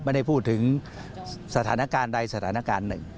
ไม่ได้พูดถึงสถานการณ์ใดสถานการณ์หนึ่ง